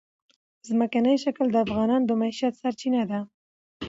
ځمکنی شکل د افغانانو د معیشت سرچینه ده.